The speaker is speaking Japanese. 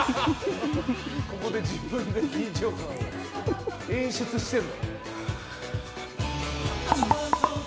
ここで自分で緊張感を演出してる。